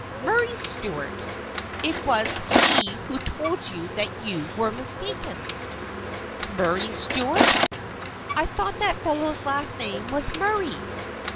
Murray Stuart. It was he who told you that you were mistaken." "Murray Stuart? I thought that fellow's last name was Murray